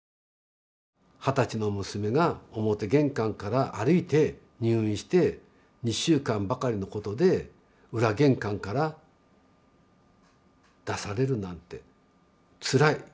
二十歳の娘が表玄関から歩いて入院して２週間ばかりのことで裏玄関から出されるなんてつらい。